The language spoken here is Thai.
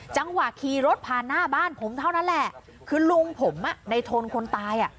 จังหวะขี่รถผ่านหน้าบ้านผมเท่านั้นแหละคือลุงผมอ่ะในโทนคนตายอ่ะ